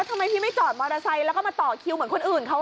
เขาจะมาจอดมอเตอร์ไซค์แล้วเขามาต่อคิวเหมือนคนอื่น